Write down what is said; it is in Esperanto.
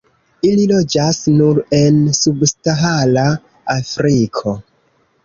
Ili loĝas nur en subsahara Afriko.